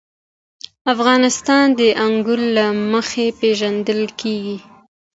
افغانستان د انګور له مخې پېژندل کېږي.